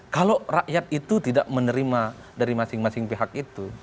kalau rakyat itu tidak menerima dari masing masing pihak itu